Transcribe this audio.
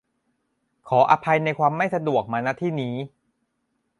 ขออภัยในความไม่สะดวกมา ณ ที่นี้